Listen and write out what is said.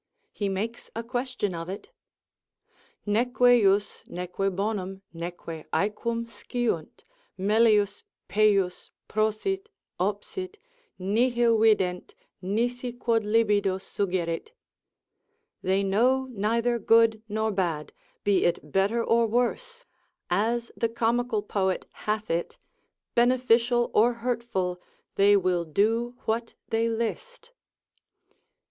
He makes a question of it. Neque jus neque bonum, neque aequum sciunt, melius pejus, prosit, obsit, nihil vident, nisi quod libido suggerit. They know neither good nor bad, be it better or worse (as the comical poet hath it), beneficial or hurtful, they will do what they list.